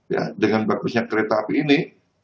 ya dengan bagusnya kereta api ini